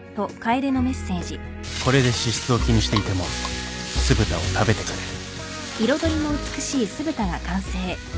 これで脂質を気にしていても酢豚を食べてくれる